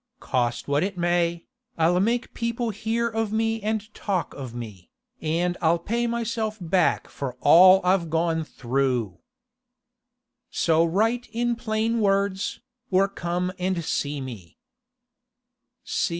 Cost what it may, I'll make people hear of me and talk of me, and I'll pay myself back for all I've gone through. So write in plain words, or come and see me.